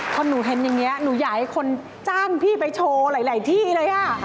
ถ้าไม่จ้างเขาน่าจะหนักน่าจะแพงอยู่